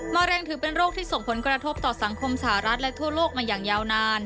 เร็งถือเป็นโรคที่ส่งผลกระทบต่อสังคมสหรัฐและทั่วโลกมาอย่างยาวนาน